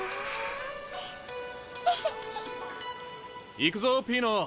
行くぞピーノ。